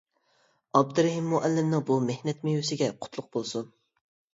ئابدۇرېھىم مۇئەللىمنىڭ بۇ مېھنەت مېۋىسىگە قۇتلۇق بولسۇن!